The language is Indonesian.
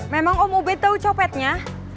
memang om uben tau copetnya